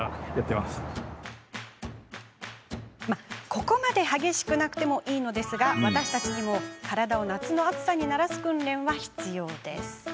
ここまで激しくなくてもいいですが、私たちにも体を夏の暑さに慣らす訓練は必要。